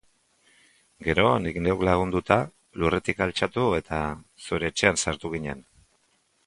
Gero, nik neuk lagunduta, lurretik altxatu eta zure etxean sartu ginen.